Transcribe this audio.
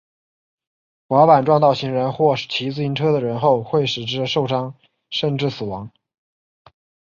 滑板撞到行人或骑自行车的人后会使之受伤甚至死亡。